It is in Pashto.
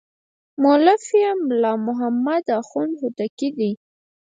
مؤلف یې ملا شیر محمد اخوند هوتکی دی.